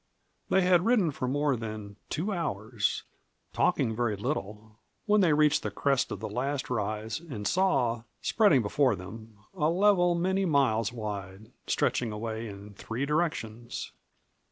They had ridden for more than two hours, talking very little, when they reached the crest of the last rise and saw, spreading before them, a level many miles wide, stretching away in three directions.